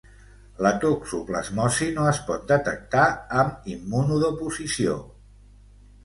La toxoplasmosi no es pot detectar amb immunodeposició.